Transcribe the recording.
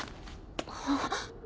あっ。